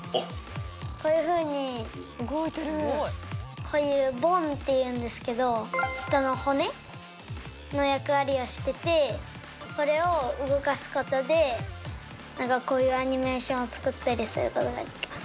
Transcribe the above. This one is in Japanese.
こういうふうにこういうボーンっていうんですけど人の骨の役割をしててこれを動かすことで何かこういうアニメーションを作ったりすることができます。